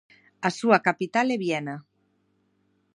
A súa capital é Viena.